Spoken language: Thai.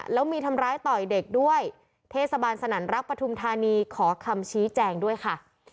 แล้วมีทำร้ายต่อยเด็กด้วยเทศบาลสนันรักปฐุมธานีขอคำชี้แจงด้วยค่ะ